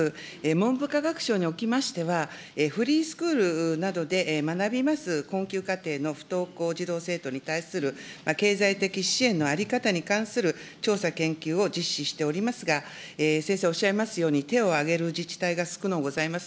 文部科学省におきましては、フリースクールなどで学びます困窮家庭の不登校児童・生徒に対する経済的支援の在り方に関する調査研究を実施しておりますが、先生おっしゃいますように、手を挙げる自治体がすくのうございます。